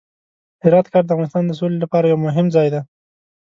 هرات ښار د افغانستان د سولې لپاره یو مهم ځای دی.